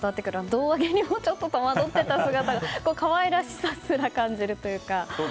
胴上げにも戸惑っていた姿が可愛らしさすら感じるというか。